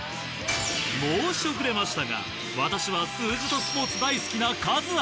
申し遅れましたが私は数字とスポーツ大好きな。